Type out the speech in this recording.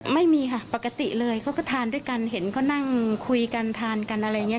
ไม่มีค่ะปกติเลยเขาก็ทานด้วยกันเห็นเขานั่งคุยกันทานกันอะไรอย่างนี้